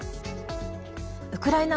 ウクライナ